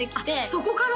そこから？